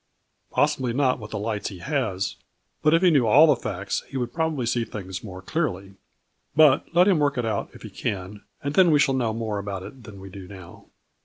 " Possibly not with the lights he has, but if he knew all the facts he would probably see things more clearly. But let him work it out if he can, and then we shall know more about it than we do now."